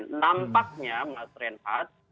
dan nampaknya mas renfad